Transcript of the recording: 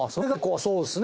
そうですね。